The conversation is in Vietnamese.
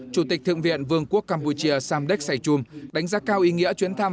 chủ tịch thượng viện vương quốc campuchia samdek saychum đánh giá cao ý nghĩa chuyến thăm